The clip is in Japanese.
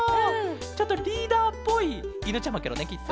ちょっとリーダーっぽいいぬちゃまケロねきっと。